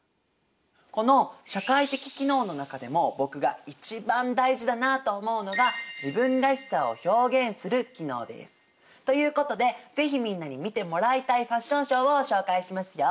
この社会的機能の中でも僕が一番大事だなと思うのが自分らしさを表現する機能です。ということで是非みんなに見てもらいたいファッションショーを紹介しますよ。